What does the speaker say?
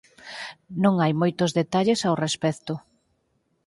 Non hai moitos detalles ao respecto.